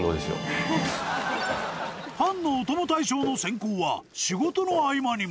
［パンのお供大賞の選考は仕事の合間にも］